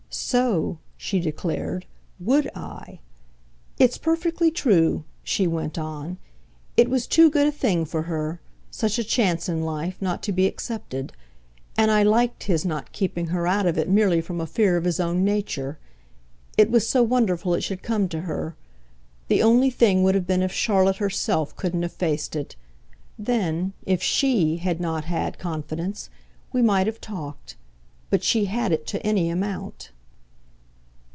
So," she declared, "WOULD I. It's perfectly true," she went on "it was too good a thing for her, such a chance in life, not to be accepted. And I LIKED his not keeping her out of it merely from a fear of his own nature. It was so wonderful it should come to her. The only thing would have been if Charlotte herself couldn't have faced it. Then, if SHE had not had confidence, we might have talked. But she had it to any amount."